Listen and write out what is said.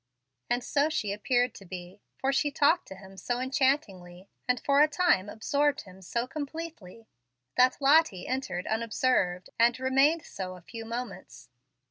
And so she appeared to be, for she talked to him so enchantingly, and for a time absorbed him so completely, that Lottie entered unobserved, and remained so a few moments.